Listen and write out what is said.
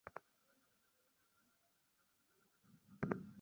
বিধাতা এতখানি ভালোবাসা দিয়াছিলেন, একটুখানি ভাষা দেন নাই কেন।